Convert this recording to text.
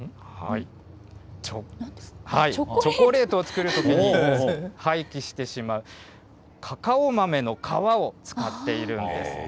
チョコレートを作るときに廃棄してしまうカカオ豆の皮を使っているんですね。